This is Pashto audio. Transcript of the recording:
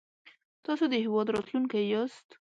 تاسو د هېواد راتلونکی ياست